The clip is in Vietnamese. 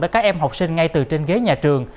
với các em học sinh ngay từ trên ghế nhà trường